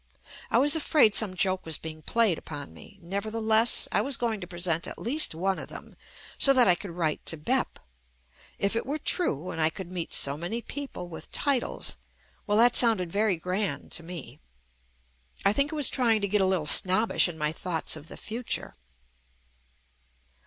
I was afraid some joke was being played upon me. Nevertheless, I was going to present at least one of them, so that I could write to "Bep." If it were true and I could meet so many people with titles — well that sounded very grand to me. I think I was trying to get a little snobbish in my thoughts of the future.